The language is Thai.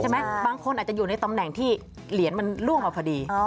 บางคนอาจจะอยู่ในตำแหน่งที่เหรียญมันล่วงมาพอดี